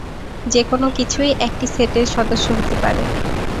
যেকোন কিছুই একটি সেটের সদস্য হতে পারে।